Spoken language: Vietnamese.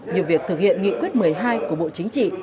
như việc thực hiện nghị quyết một mươi hai của bộ chính trị